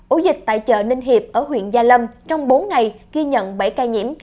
ổ dịch tại chợ ninh hiệp ở huyện gia lâm trong bốn ngày ghi nhận bảy ca nhiễm